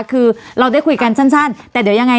คือเราได้คุยกันสั้นแต่เดี๋ยวยังไง